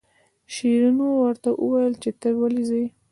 شیرینو ورته وویل چې ته ولې ځې.